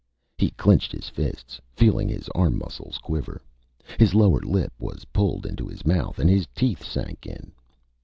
He clinched his fists, feeling his arm muscles quiver. His lower lip was pulled into his mouth, and his teeth sank in.